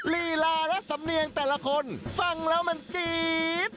ลีลาและสำเนียงแต่ละคนฟังแล้วมันจี๊ด